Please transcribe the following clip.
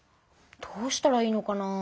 どうしたらいいのかなあ？